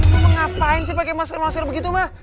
kenapa ngapain sih pake masker masker begitu ma